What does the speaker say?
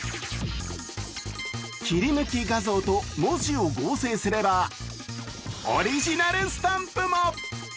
切り抜き画像と文字を合成すれば、オリジナルスタンプも。